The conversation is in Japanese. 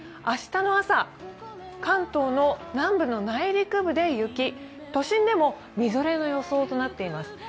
明日の朝関東の南部の内陸部で雪都心でもみぞれの予想となっています。